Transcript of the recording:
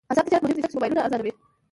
آزاد تجارت مهم دی ځکه چې موبایلونه ارزانوي.